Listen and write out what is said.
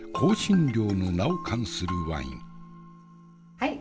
はい。